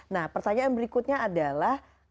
nah pertanyaan berikutnya adalah